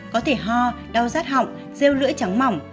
có thể ho đau rát họng rêu lưỡi trắng mỏng